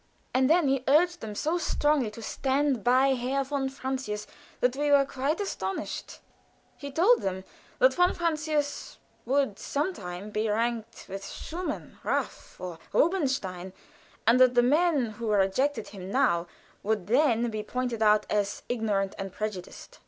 And then he urged them so strongly to stand by Herr von Francius that we were quite astonished. He told them that von Francius would some time rank with Schumann, Raff, or Rubinstein, and that the men who rejected him now would then be pointed out as ignorant and prejudiced.